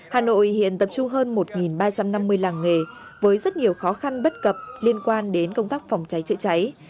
hà nội hiện tập trung hơn một ba trăm năm mươi làng nghề với rất nhiều khó khăn bất cập liên quan đến công tác phòng cháy chữa cháy